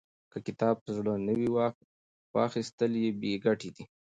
که کتاب په زړه نه وي، واخستل یې بې ګټې دی.